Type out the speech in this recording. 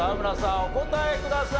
お答えください。